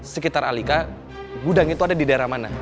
sekitar alika gudang itu ada di daerah mana